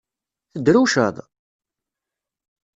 Tedrewceḍ?